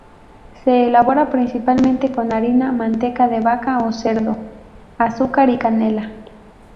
Se elabora principalmente con harina, manteca de vaca o cerdo, azúcar y canela.